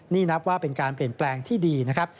นี่นับว่าเป็นการเปลี่ยนแปลงที่ดีนะครับ